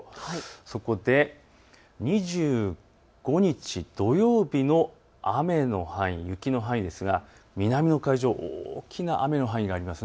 そこで２５日、土曜日の雨の範囲や雪の範囲ですが南の海上、大きな雨の範囲があります。